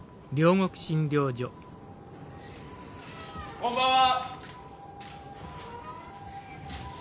・・こんばんは！